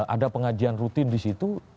ada pengajian rutin di situ